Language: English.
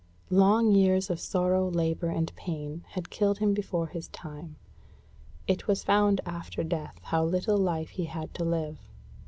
Long years of sorrow, labor, and pain had killed him before his time. It was found after death how little life he had to live.